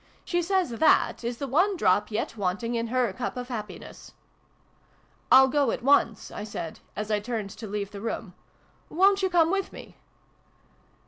"She says that is the one drop yet wanting in her cup of happiness !" vi] WILLIE'S WIFE. 95 " I'll go at once," I said, as I turned to leave the room. " Wo'n't you come with me